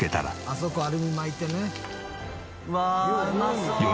あそこアルミ巻いてね。